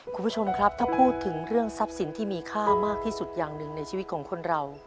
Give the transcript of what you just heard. คุณผู้ชมครับถ้าพูดถึงเรื่องทรัพย์สินที่มีค่ามากที่สุดอย่างหนึ่งในชีวิตของคนเรา